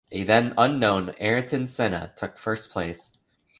A then unknown Ayrton Senna took first place.